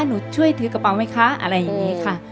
หนูช่วยถือกระเป๋าไหมคะอะไรอย่างนี้ค่ะ